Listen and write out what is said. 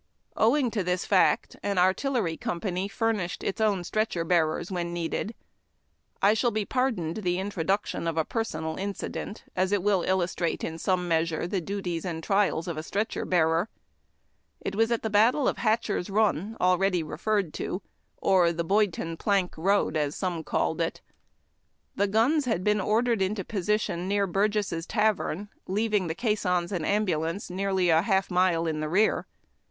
Owing to this fact, an artillery company furnished its own stretcher bearers when needed. I shall be pardoned the introduction of a personal incident, as it will illustrate in some measure the duties and trials of a stretcher bearer. It was at the battle of Hatcher s Bun, already referred to, or the Boydton Plank Boad, as some called it. The guns had been ordered into position near Burgess' Tavern, leaving the caissons and ambulance nearly a half mile in the rear.